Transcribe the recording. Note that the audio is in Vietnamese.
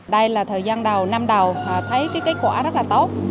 đây là thời gian đầu năm đầu họ thấy kết quả rất là tốt